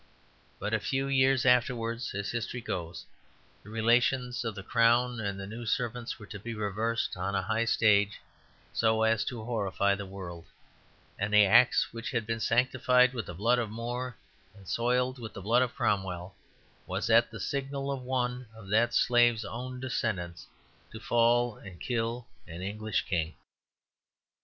But a few years afterwards, as history goes, the relations of the Crown and its new servants were to be reversed on a high stage so as to horrify the world; and the axe which had been sanctified with the blood of More and soiled with the blood of Cromwell was, at the signal of one of that slave's own descendants, to fall and to kill an English king.